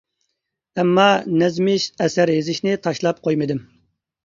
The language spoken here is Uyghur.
ئەمما نەزمىي ئەسەر يېزىشنى تاشلاپ قويمىدىم.